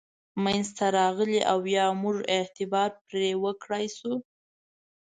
منځته راغلي او یا موږ اعتبار پرې وکړای شو.